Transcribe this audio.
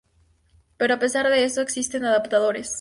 Pero a pesar de esto, existen adaptadores.